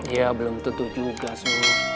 ya belum tentu juga sih